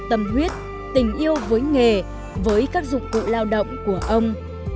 tâm huyết tình yêu với nghề với các dụng cụ lao động của ông